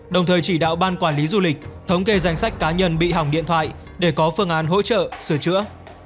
đồng thời chỉ đạo ban quản lý du lịch thống kê danh sách cá nhân bị hỏng điện thoại để có phương án hỗ trợ sửa chữa